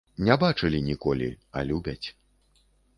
Не бачылі ніколі, а любяць.